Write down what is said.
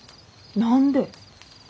何で？